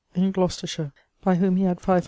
in Glocestershire, by whom he had 500 _li.